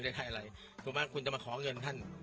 ถูกไหมคุณเค้ามาของเงินท่าน